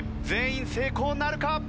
全員成功なるか？